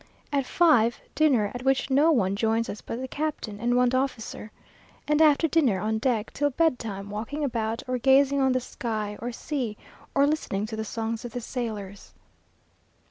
At five, dinner, at which no one joins us but the captain and one officer; and after dinner on deck till bed time, walking about, or gazing on the sky or sea, or listening to the songs of the sailors.